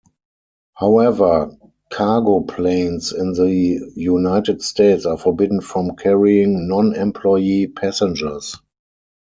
However, cargo planes in the United States are forbidden from carrying non-employee passengers.